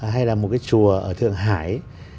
hay là một cái chùa ở thượng hải